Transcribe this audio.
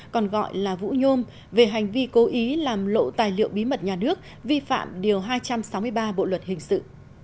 còn gọi là vũ nhôm về hành vi cố ý làm lộ tài liệu bí mật nhà nước vi phạm điều hai trăm sáu mươi ba bộ luật hình sự